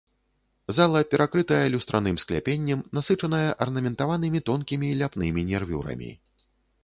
Зала перакрытая люстраным скляпеннем, насычаная арнаментаванымі тонкімі ляпнымі нервюрамі.